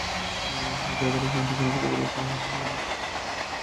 ড্রাইভারের সামনে কোনো কিছু বলার আগে চিন্তা করবেন।